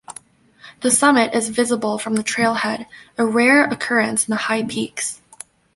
The summit is visible from the trailhead, a rare occurrence in the High Peaks.